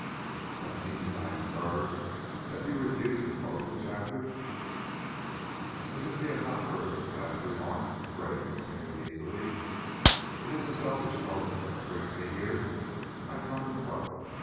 "That means, I infer, that you refuse to close the chapter?" As if he had not heard this last remark, Gray continued easily: "It is a selfish motive that brings me here. I come to crow.